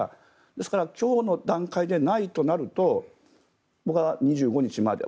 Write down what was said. ですから今日の段階でないとなると僕は２５日まで。